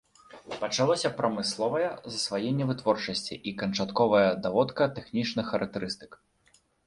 Пачалося прамысловая засваенне вытворчасці і канчатковая даводка тэхнічных характарыстык.